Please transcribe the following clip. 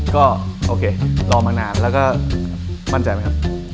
ก็โอเครอมานานแล้วก็มั่นใจไหมครับ